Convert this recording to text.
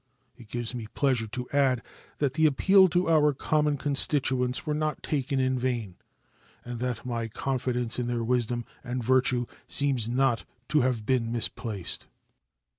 It gives me pleasure to add that the appeal to our common constituents was not taken in vain, and that my confidence in their wisdom and virtue seems not to have been misplaced.